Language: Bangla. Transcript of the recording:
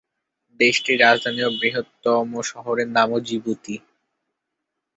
দেশটির রাজধানী ও বৃহত্তম শহরের নামও জিবুতি।